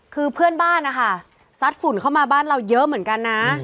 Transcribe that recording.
คือเพื่อนบ้านนะคะซัดฝุ่นเข้ามาบ้านเราเยอะเหมือนกันนะ